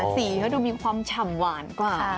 สีเขาดูมีความฉ่ำหวานกว่า